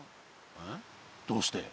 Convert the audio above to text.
えどうして？